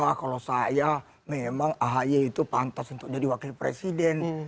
wah kalau saya memang ahy itu pantas untuk jadi wakil presiden